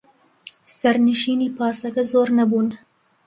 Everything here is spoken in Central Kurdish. سەرنشینی پاسەکە زۆر نەبوون.